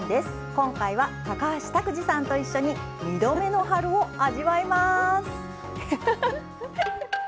今回は橋拓児さんと一緒に「２度目の春」を味わいます。